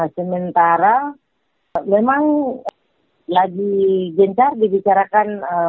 sementara memang lagi gencar dibicarakan